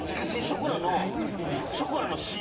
ショコラの芯？